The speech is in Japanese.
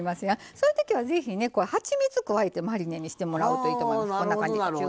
そういうときは、ぜひはちみつ加えてマリネにしてもらうといいと思います。